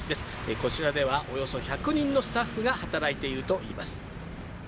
こちらでは、およそ１００人のスタッフが働いているといいます。